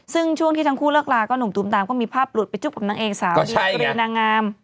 ซึ่งช่วงที่ทั้งคู่เลิกลาก็หนุ่มตูมตามก็มีภาพหลุดไปจุ๊บกับนางเอกสาวดีกรีนางงาม